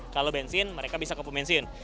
kalau bensin mereka bisa ke pemensin